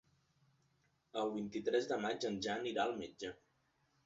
El vint-i-tres de maig en Jan irà al metge.